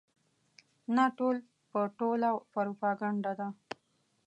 نه ټول په ټوله پروپاګنډه ده.